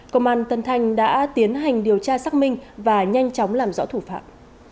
công an tân thanh đã tiến hành điều tra xác minh và nhanh chóng làm rõ thủ phạm